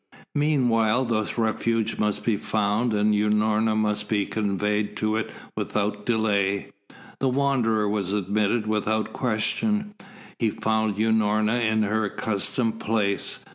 Meanwhile that refuge must be found and Unorna must be conveyed to it without delay. The Wanderer was admitted without question. He found Unorna in her accustomed place.